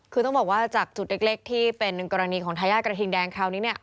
คือต้องบอกว่าจากจุดเล็กที่เป็นกรณีของทายาทกระทิงแดงคราวนี้เนี่ย